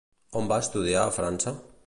On va estudiar a França?